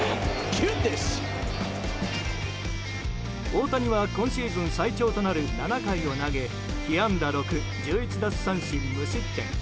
大谷は今シーズン最長となる７回を投げ被安打６、１１奪三振、無失点。